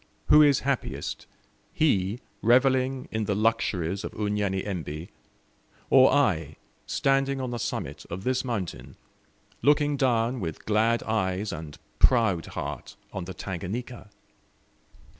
Who is happiest he revelling in the luxuries of Unyanyembe, or I, standing on the summit of this mountain, looking down with glad eyes and proud heart on the Tanganika?